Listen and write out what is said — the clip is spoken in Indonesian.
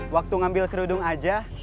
waktu ngambil kerudung aja